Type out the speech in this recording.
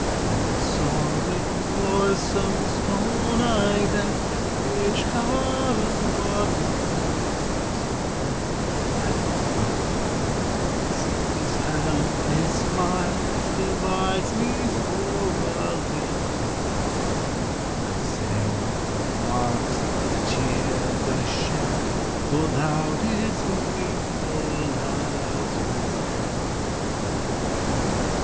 When sorrowing o'er some stone I bend, Which covers what was once a friend, And from his voice, his hand, his smile, Divides me for a little while; Thou, Saviour, mark'st the tears I shed, For Thou didst weep o'er Lazarus dead.